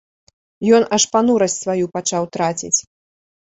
Ён аж панурасць сваю пачаў траціць.